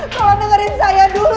tolong dengerin saya dulu